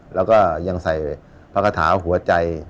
แล้วก็ยังใส่พักฐาหัวใจ